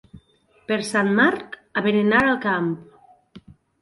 Per Sant Marc, a berenar al camp.